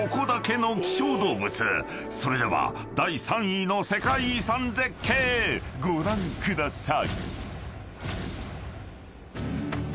［それでは第３位の世界遺産絶景ご覧ください］